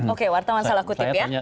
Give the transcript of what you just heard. oke wartawan salah kutip ya